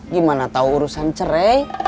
gimana tau urusan cerai